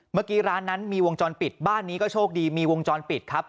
เมื่อกี้ร้านนั้นมีวงจรปิดบ้านนี้ก็โชคดีมีวงจรปิดครับ